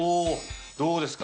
どうですか？